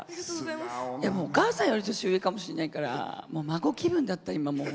でも、お母さんより年上かもしれないから孫気分だった、今。